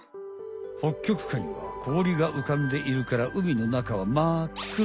北極海はこおりがうかんでいるからうみのなかはまっ暗。